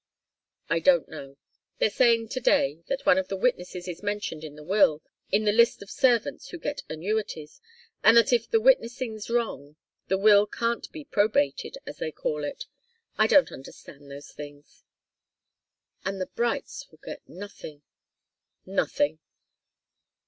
"I don't know. They're saying to day that one of the witnesses is mentioned in the will in the list of servants who get annuities, and that if the witnessing's wrong, the will can't be probated, as they call it. I don't understand those things." "And the Brights will get nothing." "Nothing."